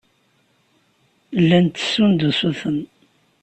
Llan ttessun-d usuten.